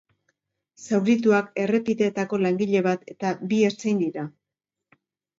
Zaurituak errepideetako langile bat eta bi ertzain dira.